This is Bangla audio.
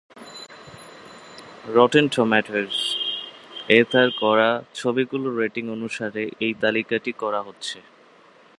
রটেন টম্যাটোস-এ তার করা ছবিগুলোর রেটিং অনুসারে এই তালিকাটি করা হচ্ছে।